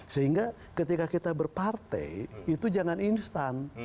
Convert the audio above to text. sehingga ketika kita berpartai itu jangan instan